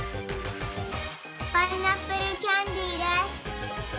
パイナップルキャンディです。